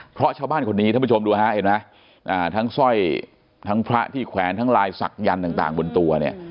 เพราะชาวบ้านคนนี้ท่านผู้ชมดูฮะเห็นไหมทั้งสร้อยทั้งพระที่แขวนทั้งลายศักยันต์ต่างบนตัวเนี่ย